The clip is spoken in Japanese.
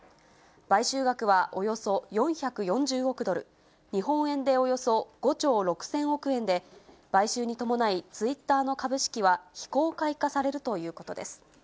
買収額はおよそ４４０億ドル、日本円でおよそ５兆６０００億円で、買収に伴い、ツイッターの株式は非公開化されるということです。